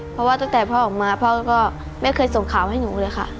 เพราะว่าตั้งแต่พ่อออกมาพ่อก็ไม่เคยส่งข่าวให้หนูเลยค่ะ